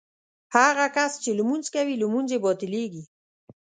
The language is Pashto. هغه کس چې لمونځ کوي لمونځ یې باطلېږي.